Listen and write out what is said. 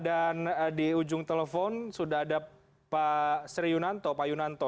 dan di ujung telepon sudah ada pak sri yunanto pak yunanto